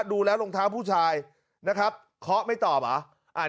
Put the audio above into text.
ดูแล้วรองเท้าผู้ชายนะครับเคาะไม่ตอบเหรอ